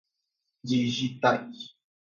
digitais